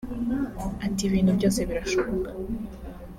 Ati “Ibintu byose birashoboka